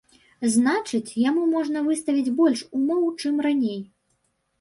Значыць, яму можна выставіць больш умоў, чым раней.